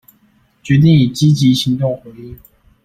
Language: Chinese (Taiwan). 決定以積極行動回應